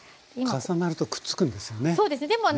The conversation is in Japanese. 重なるとくっつくんですよね？